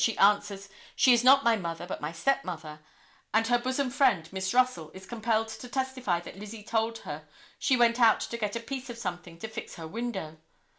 She answers, 'she is not my mother, but my stepmother,' and her bosom friend, Miss Russell, is compelled to testify that Lizzie told her she went out to get a piece of something to fix her window.